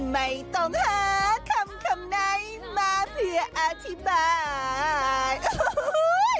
ไม่ต้องหาคำไหนมาเพื่ออธิบาย